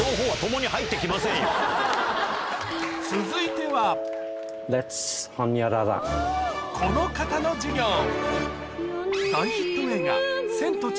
続いてはこの方の授業！